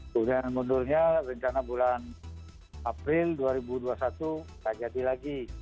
kemudian mundurnya rencana bulan april dua ribu dua puluh satu tidak jadi lagi